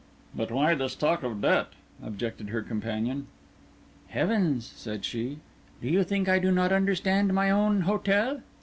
"But why this talk of debt?" objected her companion. "Heavens!" said she, "do you think I do not understand my own hotel?"